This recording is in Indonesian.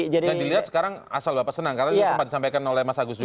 yang dilihat sekarang asal bapak senang karena sempat disampaikan oleh mas agus juga